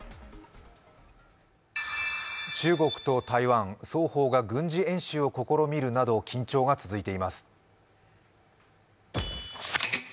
中国と台湾、双方が軍事演習を試みるなど、緊張が続いています。